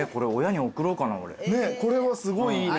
これはすごいいいね。